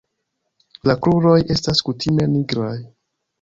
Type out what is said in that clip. La kruroj estas kutime nigraj.